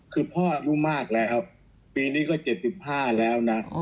คือพ่ออายุมากแล้วครับปีนี้ก็๗๕แล้วนะ